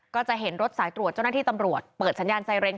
ก็จะเห็นรถสายตรวจเจ้าหน้าที่ตำรวจเปิดสัญญาณไซเรน